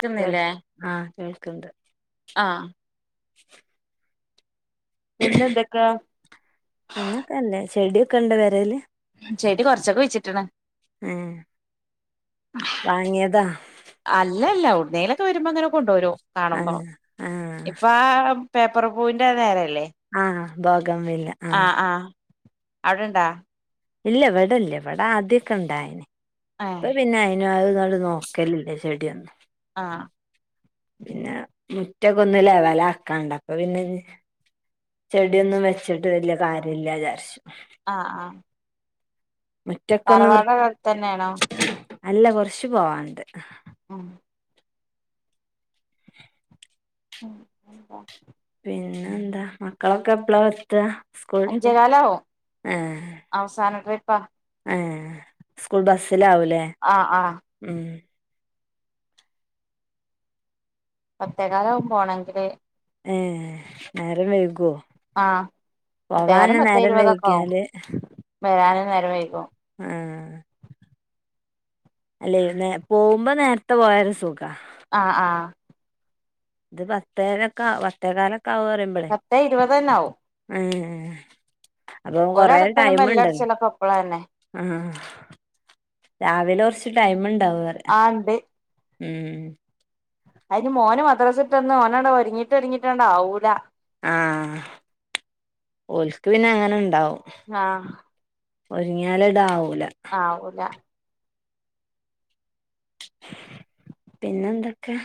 ക്കുന്നില്ലേ yes ആഹ് കേൾക്കിണ്ട് ആഹ് പിന്നെ എന്തൊക്കാ പിന്നൊക്കെല്ലേ ചെടിയൊക്കെ ഇണ്ട് പെരേല് ചേടി കൊറച്ചൊക്കെ കുഴിച്ചിട്ടണ് ഏഹ് വാങ്ങിയതാ അല്ലല്ല ഓടെന്നേലക്കവരുമ്പങ്ങനെ കൊണ്ടോവരു കാണുമ്പോ ആഹ് ആഹ് ഇപ്പാ - പേപ്പർ പൂവിയിന്റെ നേരാലെ ആഹ് ആഹ് ബാഗം വില്ല ആഹ് അവിടെണ്ടാ ഇല്ല ഇവിട ഇല്ല ഇവിട ആദ്യക്കെ ഇണ്ടായനെ ഏഹ് ഇപ്പ പിന്നെ പിന്നെ അത് കണ്ട് നോക്കലില്ല ചെടിയൊന്നും ആഹ് പിന്നെ മുറ്റക്കെ ഒന്ന് ലെവലക്കാണ്ട് അപ്പ പിന്നെ ചെടിയൊന്നും വെച്ചിട്ട് വല്യ കാര്യല്ലാ ചാരിച്ചു ആഹ് ആഹ് മുറ്റക്കൊന്നും വൃ തറവാട് അടുത്തന്നേണോ അല്ലകൊറച്ച് പോവാണ്ട് ആഹ് ആഹ് പിന്നെന്താ മക്കളൊക്കെ എപ്പളായെത്ത അഞ്ചേകാലാവവുംഅവസാന ട്രിപ്പാ ഏഹ്സ്കൂൾബസ്സിലാവൂലേ ആഹ് ആഹ് ആഹ് പത്തെകാലെകും പോകണെങ്കില് ഏഹ് നേരം വൈകോ ആഹ് പത്തേകാലും പോവാന് പത്തേ ഇരുപതൊക്കെ ആവും നേരംവൈക്യാല് വരാനും നേരം വൈകും ആഹ് അല്ലെലുംനേപോവുമ്പോ നേരത്തെപോയാരുസുഖ ആഹ് ആഹ് ഇത് പത്തെരൊക്കെ പത്തേകാലൊക്കെവുംപറയും പത്തെഇരുവതെന്നാവും ഓലെ അടുത്തലും ഏഹ്അപ്പൊകൊറേടൈമ്ണ്ടല്ലോ ബെല്ലടിച്ചലൊക്കെ ഇപ്പളന്നെ ആഹ് രാവിലെകൊറച്ച് ടൈമണ്ടാവറി ആഹ്ണ്ട് ആഹ് അയിന് മോന് മദ്രസ്ട്ടന്നഒന്നാണ്ട് ഒരുങ്ങിട്ടൊരിങ്ങിട്ടുണ്ടാവൂല ആഹ്ഓല്ക്പിന്നെങ്ങനെണ്ടാവും ആഹ് ഒരിങ്ങാല് ണ്ടാവൂല ആവുല പിന്നെന്തൊക്കെ?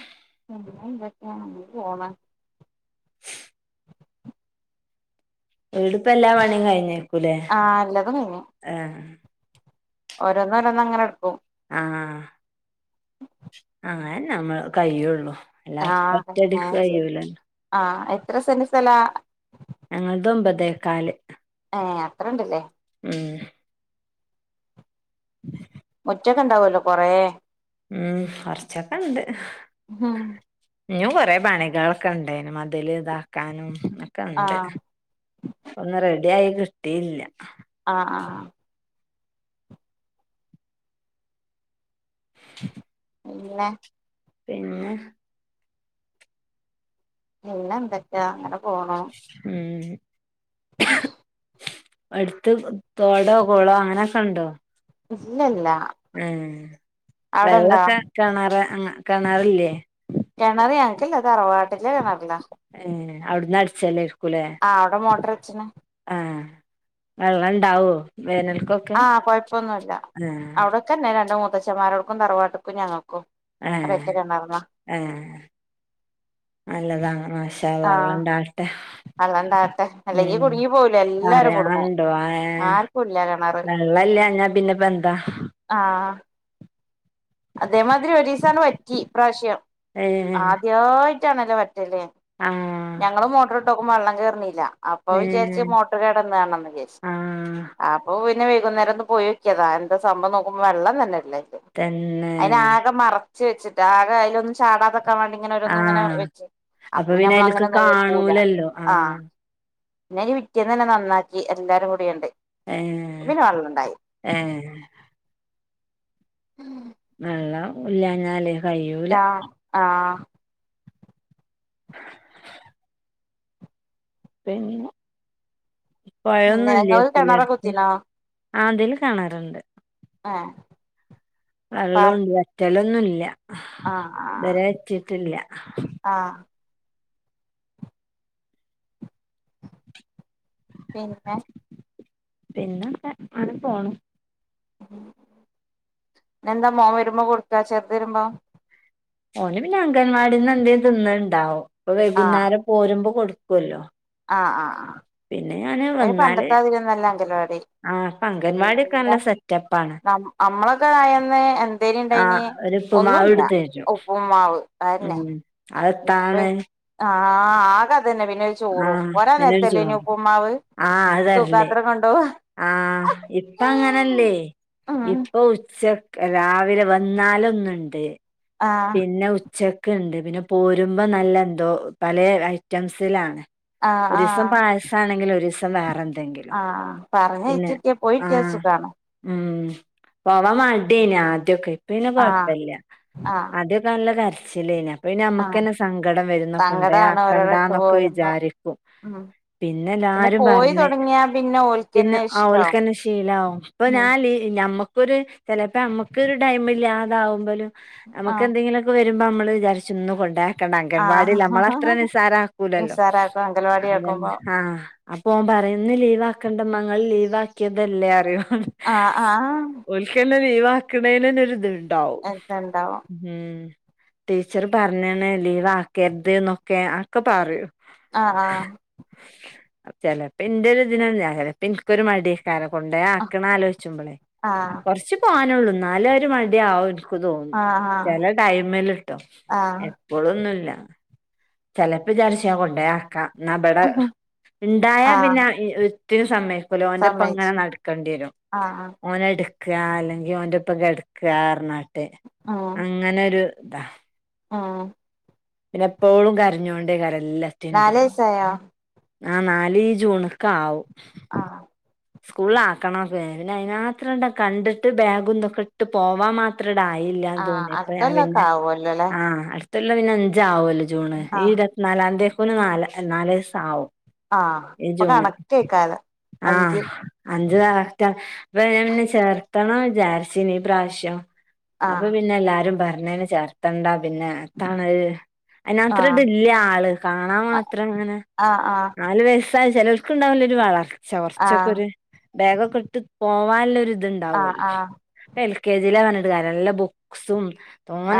പിന്നെന്തൊക്കെയാണ്ങ്ങനെ പോണ് വീട്പ്പെല്ലാപണിയും കഴിഞ്ഞേക്കൂലേ ആഹ് എല്ലതുംകയിഞ്ഞ് ആഹ് ഓരൊന്ന് രോന്നങ്ങനെടുക്കും. ആഹ് ആയന്നെനമ്മള കയിയൊള്ളുഎല്ലാ ആഹ് ഫൈനാൻസ് ഒറ്റടിക്ക്കഴിയുലല്ലോ ആഹ് എത്രസെന്റ്സ്ഥല ഞങ്ങള്തൊമ്പതേക്കാല് ഏഹ് അത്രണ്ട്ല്ലേ ആഹ് [unintelligible] മുറ്റക്കെണ്ടാവല്ലോകൊറേ ഉംകൊറച്ചൊക്കെണ്ട് ആഹ് ഇഞ്ഞുംകൊറെേപണികളൊക്കെണ്ടായിനുംമതില് ഇതാക്കാനും ഒക്കെണ്ട് ആഹ് ഒന്ന്റെഡിയായികിട്ടില്യ ആഹ് ആഹ് പിന്നെ പിന്നെ പിന്നെന്തൊക്ക്യാ? അങ്ങനെപോണു. ഉം അട്ത്ത് തോടോ കൊളോ അങ്ങനൊക്കെണ്ടോ? ഇല്ലല്ല ഏഹ് അവിടെണ്ടോ വെള്ളക്കെ കെണറ് അങ്ങ കെണറില്ലേ? കെണറ്, ഞങ്ങക്കില്ല തറവാ ട്ട്ലെ കെണർലാ. ഏഹ് അവിടുന്ന് ആഹ് അവ്ടെ മോട്ടർ വെച്ച് ണ്. ഏഹ് വെള്ളണ്ടാവോ വേനൽക്കൊ ആഹ് കൊയ്പ്പൊന്നുല്ല അവിടൊക്കെന്നെ രണ്ട് മൂത്തച്ഛമാരോട്ക്കും, തറവാട്ട്ക്കും, ഞങ്ങക്കും. ഏഹ് ഏഹ് നല്ലതാണ്. മാഷ ഷ അള്ളാ വള്ളണ്ടാവട്ടെ. ള്ളണ്ടാവട്ടെ. അല്ലെങ്കി കുടുങ്ങിപോവൂലെ എല്ലാരും കുടുങ്ങും ആർക്കും ഇല്ലാ വെള്ളലാഞ്ഞാ പിന്നെപ്പെന്താ? ആഹ് അതേമാതിരി ഒരീസാണ്ട് വറ്റി ഇപ്രാവശ്യം. ഏ ആദ്യായിട്ടാണെലോ വറ്റല്. ആഹ് ഞങ്ങള് മോട്ടർ ഇട്ടോക്കുമ്പോ വെള്ളം കേർണില്ല. അപ്പൊ ഏ വിചാരിച്ച് മോട്ടർ കേടന്നാണംന്ന് വിചാരിച്ച്. ആ ആഹ് അപ്പം പിന്നെ വൈകുന്നേരം ഒന്ന് പോയോക്ക്യതാ എന്താ സംഭവന്ന് നോക്കുമ്പം വെള്ളം തന്നെല്ലയ്ല്. തന്നെ അയ്ന് ആകെ മറച്ച് വെച്ചിട്ട് ആകെ അയ്ലൊന്നും ചാടാതക്കാൻ വാണ്ടി. ആ ഇങ്ങനോരൊന്നും ങ്ങനെ വെച്ച്, അപ്പൊ പിന്നെ പിന്നെമ്മള് അയില്ക്ക് അങ്ങനെ നോക്കൂല. കാണൂലല്ലോ ആ ആഹ് പിന്നെ അയിൻ്റെ പിറ്റേന്നന്നെ നന്നാക്കി എല്ലാരും കൂടിയാണ്ട്. ഏഹ് പിന്നെ വെള്ളണ്ടായി ഏഹ് [inaudible] വെള്ളം ഇല്ലാഞ്ഞാലേ റ്റാ ആഹ് [inaudible] പിന്നെ പിന്നെ പൊഴൊന്നും നിങ്ങള് ഇല്ലേക്കു ലെ കിണറ് അട്ത്ത്? കുത്തിനോ ആഹ് തിൽ കെണറ്ണ്ട്. ആഹ് വെള്ളുണ്ട് വറ്റലൊന്നുല്ല ആ ഇതരെ വറ്റീട്ടില്ല. ആഹ് പിന്നെ പിന്നൊക്കെ അങ്ങനെ പോണു. ഇന്നെന്താ മോൻ വരുമ്പം കൊട്ക്കാ, ചെർത് വരുമ്പം? ഓന് പിന്നെ അങ്കൻവാടിന്ന് എന്തേം തിന്ന് ണ്ടാവും. ഇപ്പൊ വൈകുന്നേരം പോരുമ്പം കൊട്‌ക്ക്വല്ലോ. ആഹ് ആഹ് ആഹ് ഇപ്പയ്ന് പണ്ടത്താതിര്യൊന്നല്ലാ അങ്കലവാടി ആഹ് ഇപ്പ അങ്കൻവാടിയൊക്കെ നല്ല സെറ്റപ്പാണ്. അമ്മളൊക്കെ ആയന്ന് എ ന്തേനി ആ ഇണ്ടായ്ന്യേ. ഒരു ഉപ്പുമാവ് ഒന്നുല്ല. എടുത്ത് തരും ഉപ്പ് മാവ് അതെന്നെ ഉം ഇപ്പ അതെത്താണ് ആഹ് ആക അതന്നെ പിന്നെ ഒര ആ ചോറും. പോരാൻ നിന്നോട് ചോ നേരത്തല്ലേന്യോ ഉപ്പ്മ്മാവ്? തൂക്കാത്രം കൊണ്ടോവാ ആഹ് ഇപ്പങ്ങനല്ലേ. ഉം ഇപ്പൊ ഉച്ചക് രാവിലെ വന്നാലൊന്ന്ണ്ട്. ആ പിന്നെ ഉച്ചക്ക് ണ്ട് പിന്നെ പോരുമ്പം നല്ല എന്തോ പല ഐറ്റംസിലാണ്. ആ ഒരിസം ആ പായസാണെങ്കില് ഒരിസം വേറ ആഹ് ആഹ്. പറഞ്ഞയച്ചിട്ടാ ആ പോയിട്ട്യാ സുഖാണ്. ഉം പോവാൻ മട്യേനി ആദ്യൊക്കെ ഇപ്പ പിന്നെ ആഹ് കൊഴപ്പല്ല. ആഹ് ഇൻ്റൊക്കെ നല്ല കരച്ചിലേനി അ പിന്നെ ആഹ് ഞാമ്മക്കന്നെ സങ്കടം വരും സങ്കടാണ് ഓരോടെ ഇട്ട് കൊണ്ടയാക്കണ്ടാന്നൊക്കെ പോരുമ്പോ വിചാരിക്കും. ഉം പിന്നെ എല്ലാരും പോയി പറഞ്ഞ്. തുടങ്ങിയാ പിന്നെ പിന്നെ ഓൽക്കന്നെ ഇഷ്ടാവും ഓവല്ക്കന്നെ ശീലാവും ഇപ്പൊ ഇപ്പൊ ഉം ഞാൻ നമ്മക്കൊരു ചലപ്പോ നമ്മക്കരു ടൈം ഇല്ലാതാവുമ്പോലും ആഹ് നമ്മകെന്തെങ്കിലും ഒ വരുമ്പൾ നമ്മൾ വിചാർച്ചും ഇന്ന് കൊണ്ടര. ക്കണ്ട ആഹ് അംഗൻവാടില്ല നമ്മള അത്ര നിസാര ആക്കൂലല്ലോ നിസ്സാരാക്കും അംഗൽവാടി അതന്ന ആക്കുമ്പോ ആഹ അപ്പൊ ഓൻ പറയുന്ന് ഇന്ന് ലീവ് ആക്കണ്ട മങ്ങള് ലീവ് ആക്കിയതല്ലേ അറിയോ. ആഹ് ആ. ഒൽക്ക് എന്നെ ലീവാക്കണേനന്നൊരിത്. എന്ത് എണ്ടാവും ഉം ടീച്ചർ പറഞ്ഞാണ് ലീവ് ആക്കരുത് എന്നൊക്കെ ആക്കെ പറയൂ. ആഹ് ആ. ചിലപ്പ ഇന്റെ ഇതിന് ചിലപ്പി ഒരു മടിയക്കാരെ കൊണ്ടോ ആഹ് ആക്കണ ആലോചിച്ചുപ്പോള് ആഹ് കുറച്ച് പോകാനുള്ളൂ. ഇന്നാല് ഒരു മടിയ ആവും എനിക്ക് തോന്നും. ആഹ് ചില ടൈമിലിട്ടോ. ആഹ് ഇപ്പോളൊന്നുമില്ല. ചിലപ്പ വിചാരിച്ച് കൊണ്ടെ ആക്കാം. ന്നമ്പിടെ ആഹ് ഇണ്ടായ ആഹ് പിന്നെ. ത്തിന് സമയക്കില്ല. ഓന്റെപ്പം അങ്ങനെ സമ്മയിച്ചു നടക്കേണ്ടി വരും. ആഹ് ഓനെ ഇട്ക്കക അല്ലെങ്കിൽ ഓന്റെ ഒപ്പം കിടക്കുക പറഞ്ഞാട്ട് അങ്ങനൊരു ഇതാ ആഹ്. പിന്നെ എപ്പോഴും കരഞ്ഞോണ്ടേ കരല്ലേ. നാലു വയസ്സായ. ആ നാല് ജൂണക്ക ആവും. ആഹ്. സ്കൂളിൽ ആക്കണ അതെ. പിന്നെ അതിന് മാത്രം കണ്ടിട്ട് ബാഗും ഇതും ഇട്ട് പോവാൻ മാത്രം. യില്ലന്ന് ആഹ് തോന്നിയപ്പയാ അടുത്തൊല്ലൊക്കെ പിന്നെ ആവുല്ലോ ല്ലേ ആ ഇല്ല പിന്നെ അഞ്ചാവല്ലോ ജൂണ്. ആഹ് ഈ ഇരുപത്തിനാലാം തീയതിക്ക് നാല് നാല് വയസ് ആവും. ആഹ് ഈ അപ്പൊ ജൂണ് കറന്റായിക്കാള് ആ അഞ്ച്. അഞ്ച് കറന്റാ അപ്പൊ ഞാൻ പിന്നെ ചേർത്തണം വിചാരിച്ച് ഇനീ പ്രാവശ്യം അപ്പൊ ആഹ് പിന്നെ എല്ലാരും പറഞ്ഞേന് ചേർത്തണ്ടാ പിന്നെ അത്താണൽ. അതിനത്ര ആഹ് ഇതില്ല ആള്, കാണാ മാത്രം അങ്ങനെ ആഹ് ആഹ് നാല് വയസ്റ്റ് ചിലൾക്കുണ്ടാവില്ലെ, ഒരു വളർച്ച കുറച്ചൊക്കെ ആഹ് ഒരു ബേഗൊക്കെ ഇട്ട് പോകാനുള്ള ഇതുണ്ട്. ആഹ് ഉണ്ടാവുമല്ലോ, ആഹ് എൽ കെ ജിലാവന്നത് നല്ല ബുക്സും.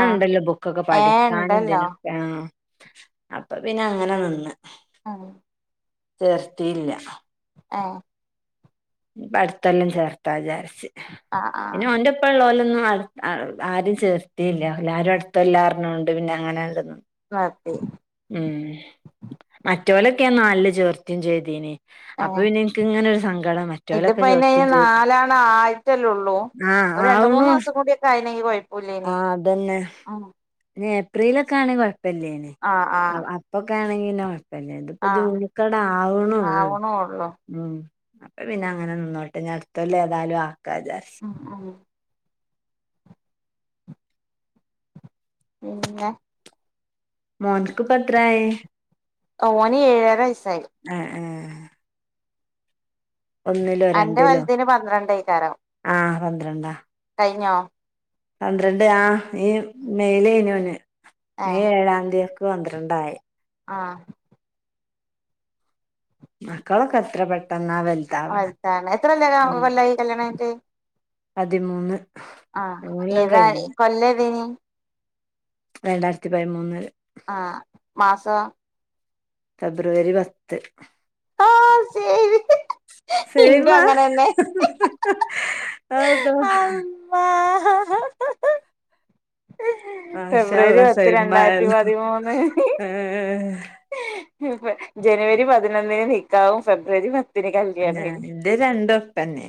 ആഹ് ബുക്കൊക്കെ ഏഹ് പഠിക്കാൻ ഇണ്ടല്ലോ എന്തിനും. ആഹ് അപ്പൊ പിന്നെ അങ്ങനെ നിന്ന്. ആഹ്. ചേർത്തിയില്ല. ആഹ്. അടുത്തെല്ലാം ചേർത്താ വിചാരിച്ച് ആഹ് ആഹ് പിന്നെ ഓന്റെ ഇപ്പോള്ള പോലൊന്നും ആരും ചേർത്തില്ല. എല്ലാരും അടുത്തല്ലാർന്നതു കൊണ്ട് പിന്നെ അങ്ങനെയായിരുന്നു. വാപ്പേയും. ഉം മറ്റേവലൊക്കെയും നാലില് ചേർത്തിയും ചെയ്തീനി. അപ്പൊ ഏഹ് പിന്നെ എനിക്ക് ഇങ്ങനെ ഒരു സങ്കടം മറ്റേവലൊക്കെ ഇതിപ്പോ അയിന് ചേർത്തിലെന്ന്. നാലാണ് ആയിട്ടല്ലേ ഉള്ളൂ ആഹ് ഒരു രണ്ട് മൂന്ന് ആവണം ദിവസം കൂടിയൊക്കെ ആയിനെങ്കി കൊഴപ്പല്ലേനി ആഹ് അതന്നെ. ഉം പിന്നെ ഏപ്രിലൊക്കെ ആണെങ്കിൽ കുഴപ്പമില്ലേന് ആഹ് ആഹ് അപ്പൊക്കെ ആണെങ്കിന്നോ. പിന്നെ ഇത്പ്പോ ആഹ് ജൂണിക്കാണ്ടാ ആവണുള്ളൂ. ആവണുള്ളൂ ഉ അപ്പ പിന്നെ അങ്ങനെ നിന്നോട്ടെ ഇനി അടുതൊല്ലം ഏതായാലും ആക്കാവിചാരിച്ച്. ഉ പിന്നെ. മോൻക്ക് ഇപ്പ എത്രായി. ഓനി ഏഴരൈ വയസായി. ഏഹ് ഏ ഒന്നിലോ അന്റെ രണ്ടിലോ വൽതിന് പന്ത്രണ്ടേക്കാരം ആഹ് പന്ത്രണ്ടാ കയ്ഞ്ഞോ. പന്ത്രണ്ട് ആ ഈ മെയ്ലേനി ഓന്. ഏഹ് മെയ് ഏഴാംത്യക്ക്‌ പന്ത്രണ്ടായി. ആഹ്. മക്കളൊക്കത്ര പെട്ടെന്നാ വൽ വൽതാവ്ണ്. എത്ര കൊല്ലായി കല്യാണം കഴിഞ്ഞിട്ട് പതിമൂന്ന് ആഹ് പതിമൂന്നെല്ലാം ഏതാ കഴിഞ്ഞ് കൊല്ലം ഏതേനി രണ്ടായിരത്തി പയ്മൂന്നില് ആഹ് മാസോ ഫെബ്രുവരി പത്ത് ആഹ് ശരി സെയിമ ഇൻക്കും അങ്ങനെന്നെ ഹ് ഹ് അതാ ഇമ്മാ.. മാഷാ ഫെബ്രുവരി അള്ളാ പത്ത് രണ്ടായിരത്തി സെയിമായല്ലോ പതിമൂന്ന് ഏഹ്.. ജനുവരി പതിനൊന്നിന് നിക്കാഹും ഫെബ്രുവരി പത് ന്റെ രണ്ടൊപ്പന്നെണ്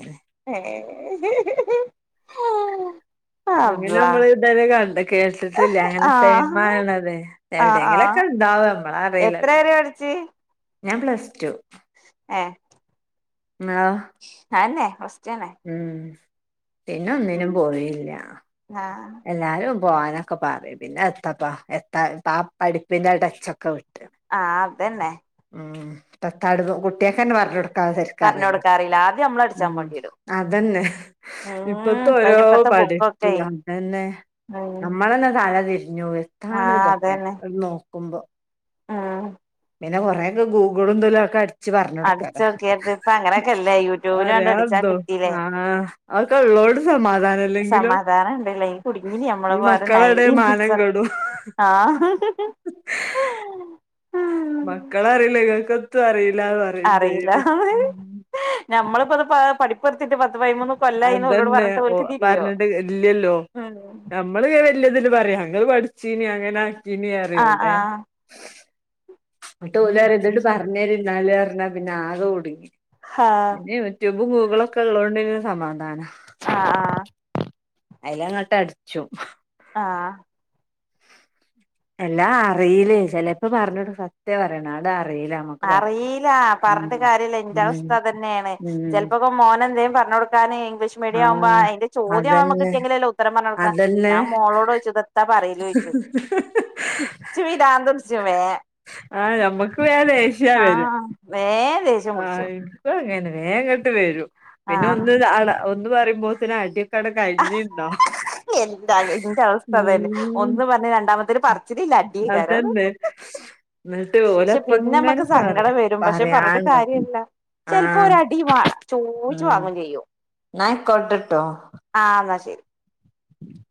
ഏഹ് ആഹ്. അങ്ങനെമ്മള് ഇതരെ കണ്ട കേട്ട് ട്ടില്ല അങ്ങനെ സൈം ആഹ് ആവിണത്. എവിടെങ്കിലൊക്കെണ്ടാവും. ഞമ്മള അറീല ത്രെ വരെ പട്ച്ച് ഞാൻ പ്ലസ് ടു ഏഹ്.. ങ്ങളോ? അഅന്നെ പ്ലസ് ടുന്നെ ഉം പിന്നൊന്നിനും പോയില്ല ആഹ് എല്ലാരും പോവാനൊക്കെ പറ്യും. പിന്നെ എത്തപ്പാ എത്താ ആ പഠിപ്പിന്റെ ടച്ചൊക്കെ വിട്ട് ആഹ് അതന്നെ ഉം.. ദെത്താണ്ത് കുട്ട്യാക്കെന്നെ പർഞൊട് ക്കാൻ സെര്ക്ക് പറഞ്ഞ് അറീല കൊടുക്കാറിയില്ല ആദ്യം നമ്മള് അടിച്ചാൻ ഉം പോണ്ടി വരും അതന്നെ ഉം ഇപ്പത്തെ ഓരോ ഇപ്പയിന് ഇപ്പത്തെ പഠി പ്പ് ബുക്കൊക്കെ ന്നെ [unintelligible] ന്നെ ഉം നമ്മളന്നെ തല തിര്ഞ്ഞോവും. ആഹ് എത്താണ്തൊക്കെ ഒന്ന് നോക്കുമ്പോ ആഹ്. പിന്നെ കൊറേക്കെ ഗൂഗിളും ത് ലൊക്കെഅട് ച്ച് പർഞ്ഞൊട്ക്കല, അടിച്ചോക്കിയിട്ട് ഇപ്പ അങ്ങനെയൊക്കെല്ലേ യൂട്യൂബില് കണ്ട് അടിച്ചാ പറയാണ്ടോ കിട്ടീല്ലേ ആഹ് അതൊക്കെള്ളോണ്ട് സമാധാനം ല്ലെങ്കിലോ സമാധാനം ഉണ്ടല്ലേ ഈ കുടുങ്ങിന് നമ്മള് ഈ വേറെ മക്കളെടേ നയന്റീൻ മാനം കിഡ്സ് ഒക്കെ കെടും ആഹ് ക്കളറിണ്ട്, ഇങ്ങക്കെത്തും അറീലാന്ന് അറീല, ഞമ്മളിപ്പത് പഠിപ്പ്ർത്തീട്ട് പത്ത് പൈമൂന്ന് അതന്നെ ഓ പർഞ്ഞിട്ട് ഇല്യല്ലോ ഉം നമ്മള് വല്യതില് പറയാ അങ്ങൾ പഠിച്ചീനീ അങ്ങനാക്കീനി അറ്യും. ആഹ് ഔടെ ആഹ് ന്നിട്ട് ഓലറിം, ഇത്ണ്ട് പർഞ്ഞെരിന്നാല് അർഞ്ഞാ പിന്നാകെ കുട്ങ്ങി, പിന്നെ ആഹ് യൂ ട്യൂബും ഗൂഗ്ളൊക്കെള്ളതോണ്ട്പിന്നെ സമാധാന ആഹ് ആഹ്.. അയ്‌ലങ്ങട്ടട്ച്ചും ആഹ്.. എല്ലാ അറീലെയ് ചെലേപ്പൊ പർഞ്ഞൊട് സത്യാ പറിണ അടറീല അറീലാ. പർഞ്ഞിട്ട് കാര്യല്ല ന്റെ അവസ്ഥ ഉം അതന്നേണ്. ഉം ചെൽപ്പൊക്കെ മോനെന്തേം പർഞ്ഞൊടു ക്കാന് ഇംഗ്ലീഷ് മീഡിയാവുമ്പോ ആഹ് അയ്ന്റെ ചോദ്യം അതന്നെ അമ്മക്ക്‌ട്ട്യങ്കിലല്ലേ ഉത്തരം പർഞ്ഞൊടുക്ക, ഞാൻ മോളോടോയ്ച്ചും തെത് ഹ് ഹ് ഹ് ഇച്ച് പിരാന്തുട്ച്ചും വേം ആഹ് ഞമ്മക്ക് വേം ദേഷ്യം ആഹ് വേം ദേഷ്യം പിടിച്ചു ആഹ് ഇന്ക്കും അങ്ങനെ തന്നെ വേഗങ്ങോട്ട് വരും പിന്നെ ആഹ് ഒന്ന് അട ഒന്ന് പറയുമ്പോത്തനെ അടി എന്താട് ന്റെ അവസ്ഥ അതന്ന ഉം ഒന്ന് പറഞ് രണ്ടാമത്തെ തിന് പറിച്ചിലില്ല അടിആകാരം അതന്നെ എന്നിട്ട് പക്ഷെ പിന്നെ ഓലപ്പങ്ങനെ നമ്മക്ക് പറ സങ്കടം വരും പക്ഷെ പറഞ്ഞിട്ട് പറയാണ്ടോ കാര്യല്ല ചിലപ്പോ ആഹ് ഒര അടി ചോയിച്ച് ഉം വാങ്ങയും ചെയ്യും ന്നാ ആയികൊട്ടെട്ടോ ആ എന്നാ ശരി ഉ [inaudible]